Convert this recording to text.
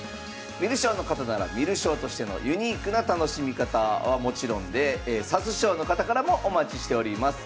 観る将の方なら観る将としてのユニークな楽しみ方はもちろんで指す将の方からもお待ちしております。